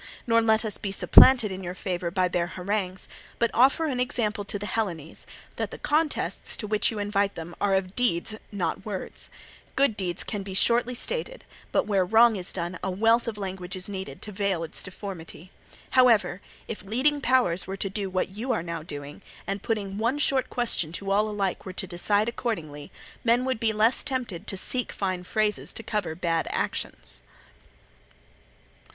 Nor let us be supplanted in your favour by their harangues, but offer an example to the Hellenes, that the contests to which you invite them are of deeds, not words: good deeds can be shortly stated, but where wrong is done a wealth of language is needed to veil its deformity. However, if leading powers were to do what you are now doing, and putting one short question to all alike were to decide accordingly, men would be less tempted to seek fine phrases to cover bad actions."